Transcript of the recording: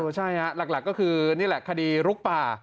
ใช่ฮะหลักก็คือนี่แหละคดีลุกป่า